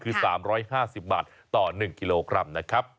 คือ๓๕๐บาทต่อ๑กิโลกรัมนะครับ